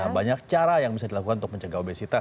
banyak cara yang bisa dilakukan untuk mencegah obesitas